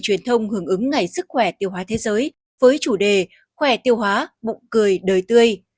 truyền thông hưởng ứng ngày sức khỏe tiêu hóa thế giới với chủ đề khỏe tiêu hóa bụng cười đời tươi